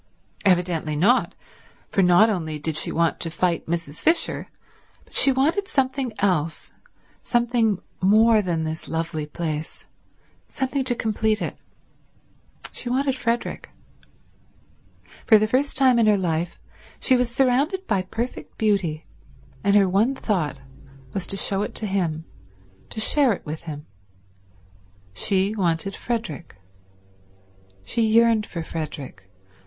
Evidently not, for not only did she want to fight Mrs. Fisher but she wanted something else, something more than this lovely place, something to complete it; she wanted Frederick. For the first time in her life she was surrounded by perfect beauty, and her one thought was to show it to him, to share it with him. She wanted Frederick. She yearned for Frederick.